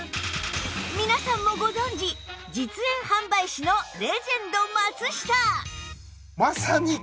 皆さんもご存じ実演販売士のレジェンド松下